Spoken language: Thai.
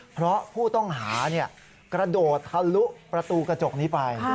เพราะผู้ต้องหากระโดดทะลุประตูกระจกนี้ไป